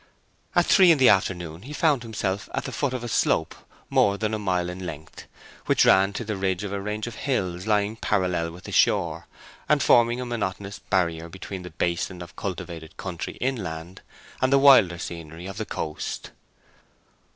At three in the afternoon he found himself at the foot of a slope more than a mile in length, which ran to the ridge of a range of hills lying parallel with the shore, and forming a monotonous barrier between the basin of cultivated country inland and the wilder scenery of the coast.